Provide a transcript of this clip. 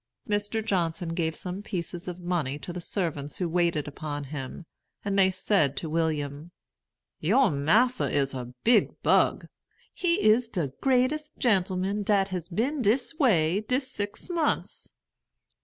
Mr. Johnson gave some pieces of money to the servants who waited upon him; and they said to William, "Your massa is a big bug. He is de greatest gentleman dat has been dis way dis six months."